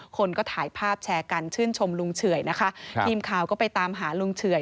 คนก็ถ่ายภาพแชร์กันชื่นชมลุงเฉื่อยนะคะทีมข่าวก็ไปตามหาลุงเฉื่อย